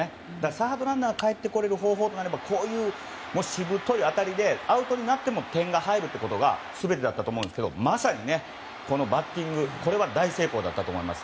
サードランナーがかえってこれる方法となればこういう、しぶとい当たりでアウトになっても点が入るってことが全てだったと思いますがまさにこのバッティングこれは大成功だったと思います。